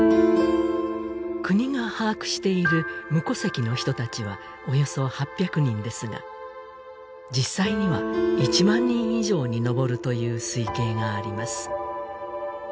国が把握している無戸籍の人たちはおよそ８００人ですが実際には１万人以上にのぼるという推計があります